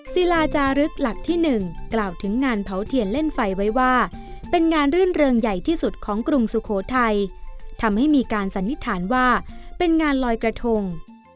ศิลาจารึกหลักที่๑กล่าวถึงงานเผาเทียนเล่นไฟไว้ว่าเป็นงานรื่นเริงใหญ่ที่สุดของกรุงสุโขทัยทำให้มีการสันนิษฐานว่าเป็นงานลอยกระทง